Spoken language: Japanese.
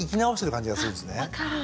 あ分かる。